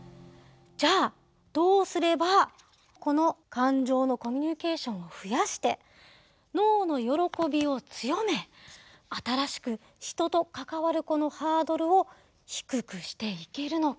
じゃあどうすればこの感情のコミュニケーションを増やして脳の喜びを強め新しく人と関わるこのハードルを低くしていけるのか。